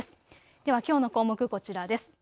ではきょうの項目、こちらです。